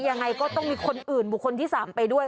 ยังไงก็ต้องมีคนอื่นบุคคลที่๓ไปด้วย